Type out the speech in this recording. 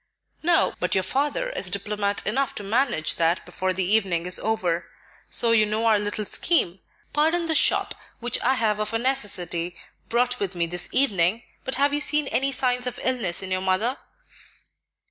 "No; but your father is diplomat enough to manage that before the evening is over. So you know our little scheme. Pardon the 'shop' which I have of a necessity brought with me this evening, but have you seen any signs of illness in your mother?"